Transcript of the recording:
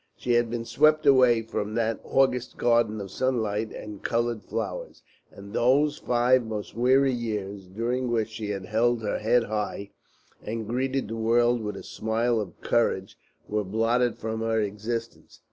She had been swept away from that August garden of sunlight and coloured flowers; and those five most weary years, during which she had held her head high and greeted the world with a smile of courage, were blotted from her experience.